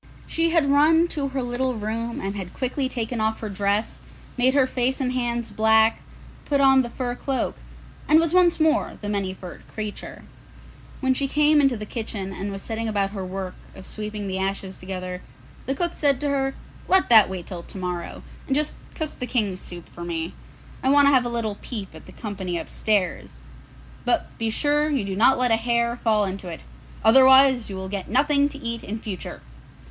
She had run to her little room and had quickly taken off her dress, made her face and hands black, put on the fur cloak, and was once more the Many furred Creature. When she came into the kitchen and was setting about her work of sweeping the ashes together, the cook said to her, 'Let that wait till to morrow, and just cook the King's soup for me; I want to have a little peep at the company upstairs; but be sure that you do not let a hair fall into it, otherwise you will get nothing to eat in future!